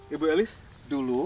ibu elis dulu